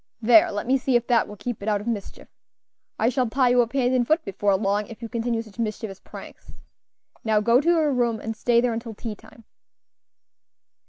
There! let me see if that will keep it out of mischief. I shall tie you up hand and foot before long, if you continue such mischievous pranks. Now go to your room, and stay there until tea time."